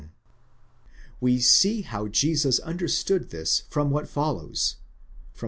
We see how Jesus understood this from what follows (v.